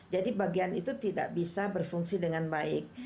jadi bagian itu tidak bisa berfungsi dengan baik